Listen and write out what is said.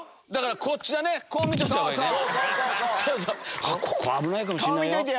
ここ危ないかもしんないよ。